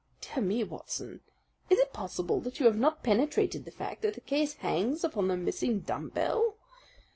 "Dear me, Watson, is it possible that you have not penetrated the fact that the case hangs upon the missing dumb bell?